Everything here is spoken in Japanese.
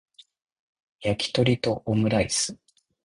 やきとりとオムライス